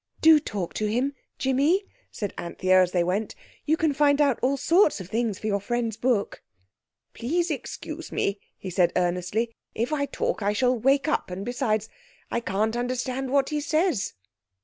"Do talk to him—Jimmy," said Anthea as they went; "you can find out all sorts of things for your friend's book." "Please excuse me," he said earnestly. "If I talk I shall wake up; and besides, I can't understand what he says."